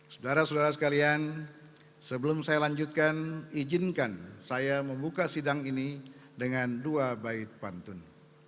saudara saudara sekalian sebelum saya lanjutkan izinkan saya membuka sidang ini dengan dua baik pantun